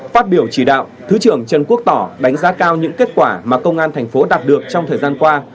phát biểu chỉ đạo thứ trưởng trần quốc tỏ đánh giá cao những kết quả mà công an thành phố đạt được trong thời gian qua